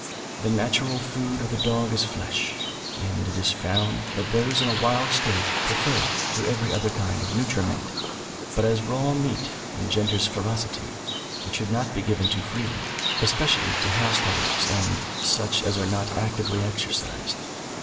The natural food of the dog is flesh, and it is found that those in a wild state prefer it to every other kind of nutriment, but as raw meat engenders ferocity, it should not be given too freely, especially to house dogs and such as are not actively exercised.